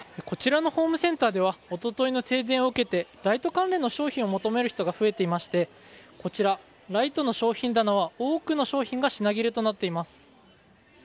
こちらのホームセンターでは一昨日の停電を受けてライト関連の商品を求める人が増えていましてこちら、ライトの商品棚は多くの商品が品切れとなっています。